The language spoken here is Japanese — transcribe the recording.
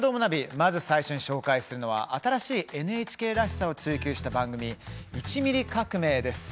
まず最初に紹介するのは新しいＮＨＫらしさを追求した番組「１ミリ革命」です。